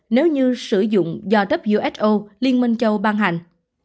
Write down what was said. nếu như sử dụng do who liên minh châu ban hành